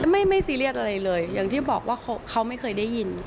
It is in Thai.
ไม่ซีเรียสอะไรเลยอย่างที่บอกว่าเขาไม่เคยได้ยิน